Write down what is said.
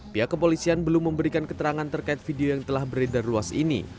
pihak kepolisian belum memberikan keterangan terkait video yang telah beredar luas ini